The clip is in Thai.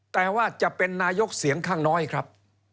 แต่ว่าจะเป็นนายกเสียงข้างน้อยครับ